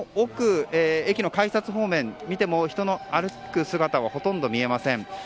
駅の改札方面を見ても人の歩く姿はほとんどありません。